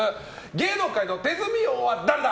芸能界の手積み王は誰だ！？